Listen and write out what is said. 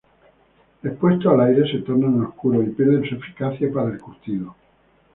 Expuestos al aire, se tornan oscuros y pierden su eficacia para el curtido.